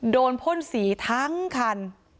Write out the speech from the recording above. โดนพ่นสีทังคัน